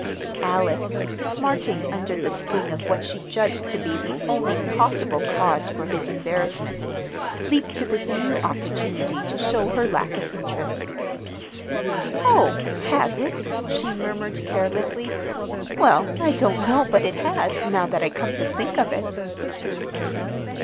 Alice, smarting under the sting of what she judged to be the only possible cause for his embarrassment, leaped to this new opportunity to show her lack of interest. "Oh, has it?" she murmured carelessly. "Well, I don't know but it has, now that I come to think of it."